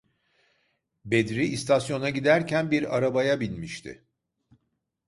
Bedri istasyona giderken bir arabaya binmişti.